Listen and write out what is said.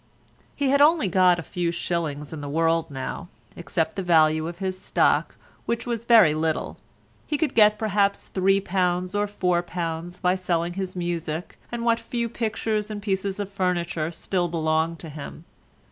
He had only got a few shillings in the world now, except the value of his stock, which was very little; he could get perhaps £3 or £4 by selling his music and what few pictures and pieces of furniture still belonged to him.